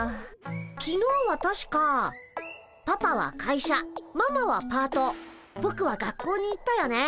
きのうはたしかパパは会社ママはパートぼくは学校に行ったよね。